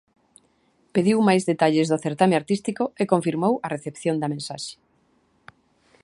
Pediu máis detalles do certame artístico e confirmou a recepción da mensaxe.